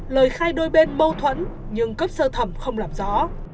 lời khai đôi bên mâu thuẫn nhưng cấp sơ thẩm không làm rõ